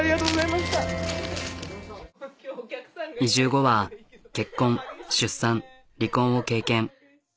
移住後は結婚出産離婚を経験。